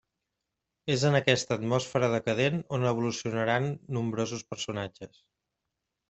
És en aquesta atmosfera decadent on evolucionaran nombrosos personatges.